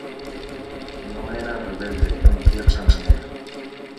No era rebelde en cierta manera.